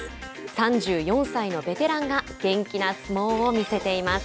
３４歳のベテランが元気な相撲を見せています。